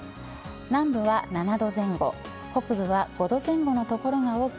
南部は７度前後北部は５度前後の所が多く